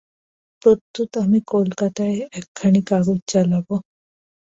প্রত্যুত আমি কলিকাতায় একখানি কাগজ চালাব।